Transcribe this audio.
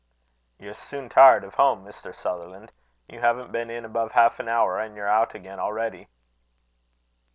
"You're soon tired of home, Mr. Sutherland. You haven't been in above half an hour, and you're out again already."